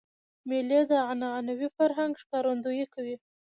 مېلې د عنعنوي فرهنګ ښکارندویي کوي.